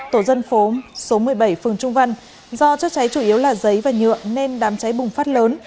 tổ dân phố số một mươi bảy phường trung văn do chất cháy chủ yếu là giấy và nhựa nên đám cháy bùng phát lớn